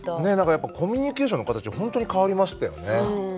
やっぱコミュニケーションの形が本当に変わりましたよね。